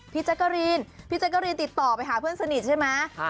แจ๊กกะรีนพี่แจ๊กกะรีนติดต่อไปหาเพื่อนสนิทใช่ไหม